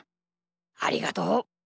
ありがとう。